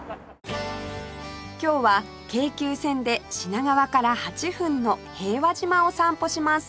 今日は京急線で品川から８分の平和島を散歩します